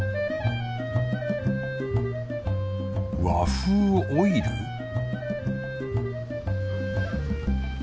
和風オイル？